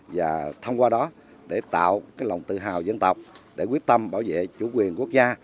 và thông qua đó để tạo lòng tự hào dân tộc để quyết tâm bảo vệ chủ quyền quốc gia